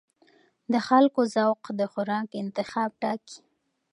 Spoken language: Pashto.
د خلکو ذوق د خوراک انتخاب ټاکي.